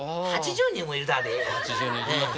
８０人もいるだぁで。